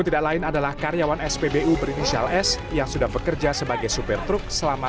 tidak lain adalah karyawan spbu berinisial s yang sudah bekerja sebagai supir truk selama